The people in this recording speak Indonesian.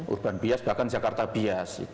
urban bias bahkan jakarta bias